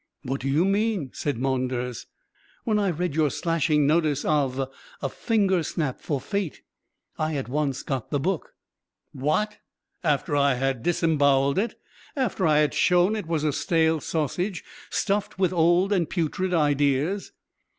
"What do you mean?" said Maunders. "When I read your slashing notice of 'A Fingersnap for Fate,' I at once got the book." "What! After I had disembowelled it; after I had shown it was a stale sausage stuffed with old and putrid ideas?"